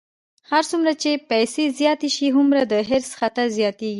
هر څومره چې پیسې زیاتې شي، هومره د حرص خطر زیاتېږي.